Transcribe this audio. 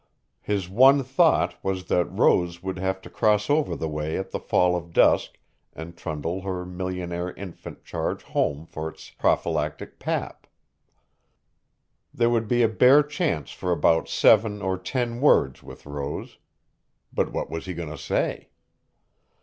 His one thought was that Rose would have to cross over the way at the fall of dusk and trundle her millionaire infant charge home for its prophylactic pap. There would be a bare chance for about seven or ten words with Rose. But what was he going to say?